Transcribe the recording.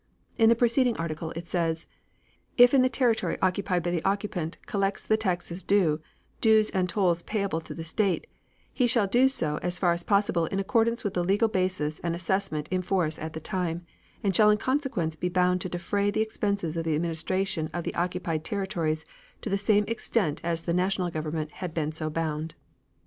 In the preceding article it says: "If in the territory occupied the occupant collects the taxes, dues and tolls payable to the state, he shall do so as far as possible in accordance with the legal basis and assessment in force at the time, and shall in consequence be bound to defray the expenses of the administration of the occupied territories to the same extent as the National Government had been so bound."